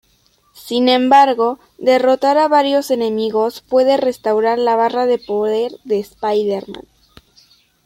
Sin embargo, derrotar a varios enemigos puede restaurar la barra de poder de Spiderman.